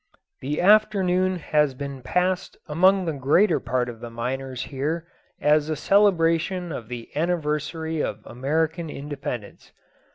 The afternoon has been passed among the greater part of the miners here as a celebration of the anniversary of American Independence.